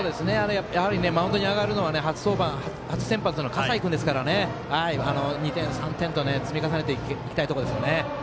やはりマウンドに上がるのは初先発の葛西君ですから２点、３点と積み重ねていきたいところですよ。